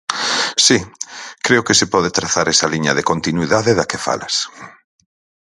Si, creo que se pode trazar esa liña de continuidade da que falas.